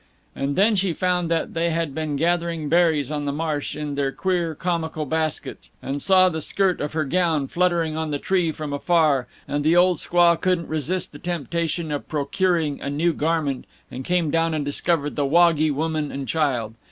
And then she found that they had been gathering berries on the marsh in their queer, comical baskets, and saw the skirt of her gown fluttering on the tree from afar, and the old squaw couldn't resist the temptation of procuring a new garment, and came down and discovered the "wagee" woman and child.